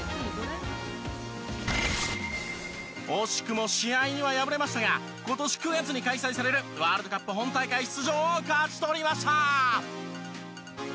惜しくも試合には敗れましたが今年９月に開催されるワールドカップ本大会出場を勝ち取りました。